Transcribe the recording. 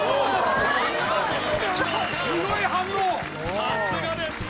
さすがです！